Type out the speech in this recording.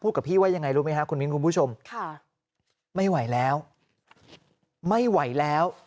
พูดกับพี่ว่ายังไงรู้ไหมคุณผู้ชมไม่ไหวแล้วไม่ไหวแล้ว